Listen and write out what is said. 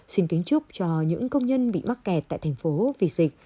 xin kính chúc cho những công nhân bị mắc kẹt tại thành phố vì dịch